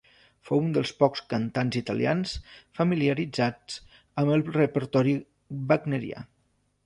Fou un dels pocs cantants italians familiaritzats amb el repertori wagnerià.